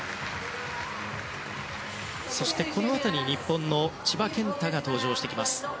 そして、このあとに日本の千葉健太が登場します。